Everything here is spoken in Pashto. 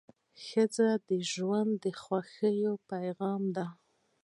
ښځه د ژوند د خوښۍ پېغام ده.